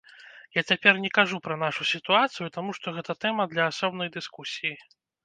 Я цяпер не кажу пра нашу сітуацыю, таму што гэта тэма для асобнай дыскусіі.